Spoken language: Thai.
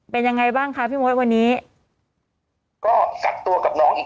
เป็นยังไงบ้างคะพี่โม่ะครับวันนี้